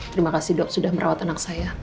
terima kasih dok sudah merawat anak saya